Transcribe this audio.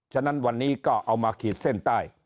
ฉะนั้นวันนี้ก็เอามาขีดเส้นใต้